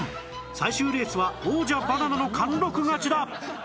最終レースは王者バナナの貫禄勝ちだ